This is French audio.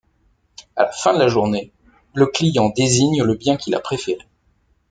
À la fin de la journée, le client désigne le bien qu'il a préféré.